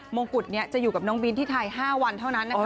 งกุฎนี้จะอยู่กับน้องบินที่ไทย๕วันเท่านั้นนะคะ